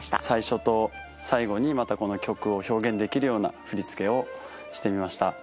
最初と最後にまたこの曲を表現できるような振り付けをしてみました。